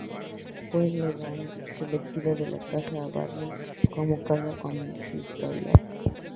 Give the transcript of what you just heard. Fue elegida la Casa-Abadía como Casa Consistorial.